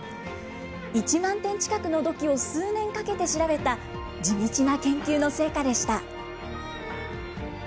１万点近くの土器を数年かけて調べた地道な研究の成果でした。